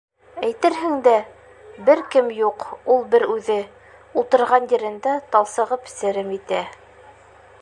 Әйтерһең дә, бер кем юҡ, ул бер үҙе, ултырған ерендә талсығып серем итә...